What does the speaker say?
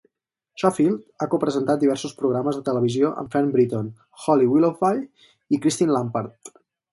Schofield ha co-presentat diversos programes de televisió amb Fern Britton, Holly Willoughby i Christine Lampard.